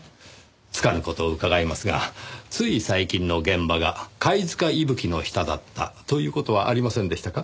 つかぬ事を伺いますがつい最近の現場がカイヅカイブキの下だったという事はありませんでしたか？